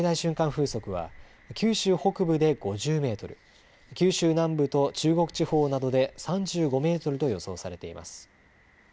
風速は九州北部で５０メートル、九州南部と中国地方などで３５メートルと予想されています。